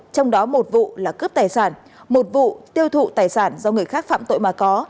trong đó một vụ là cướp tài sản một vụ tiêu thụ tài sản do người khác phạm tội mà có